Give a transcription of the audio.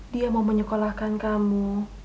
dia mau menyekolahkan kamu